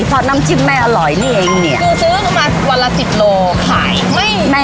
พอน้ำจิ้มไม่อร่อยนี่เองเนี้ยคือซื้อประมาณวันละสิบโลขายไม่